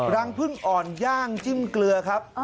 รังพึ่งอ่อนย่างจิ้มเกลือครับ